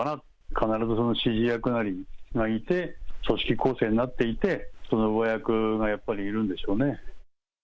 必ずその指示役なりがいて、組織構成になっていて、その上役がやっぱりいるんでしょうね。